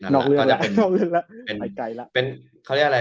นอกเรื่องร้วยละ